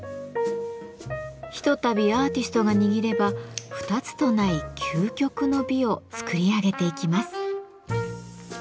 ひとたびアーティストが握れば二つと無い究極の美を作り上げていきます。